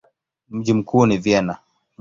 Mji mkuu ni Vienna.